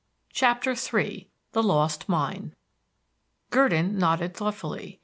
CHAPTER III THE LOST MINE Gurdon nodded thoughtfully.